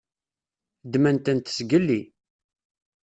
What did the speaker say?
Ddmen-tent zgelli.